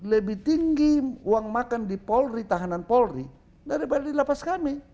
terus lebih tinggi uang makan di polri tahanan polri daripada di la pascami